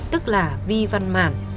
tức là vi văn mạn